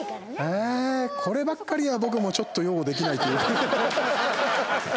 こればっかりは僕もちょっと擁護できないというか。